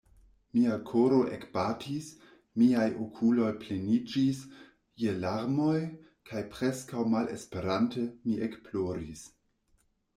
Mia koro ekbatis, miaj okuloj pleniĝis je larmoj kaj preskaŭ malesperante, mi ekploris.